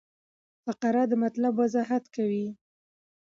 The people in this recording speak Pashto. فقره د مطلب وضاحت کوي.